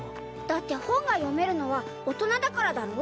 だって本が読めるのは大人だからだろ？